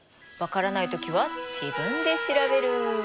分からない時は自分で調べる。